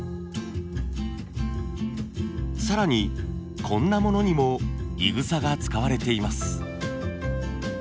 更にこんなものにもいぐさが使われています。